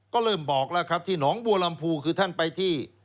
ก็เริ่มบอกแล้วครับที่หนองบัวลำพูคือท่านไปที่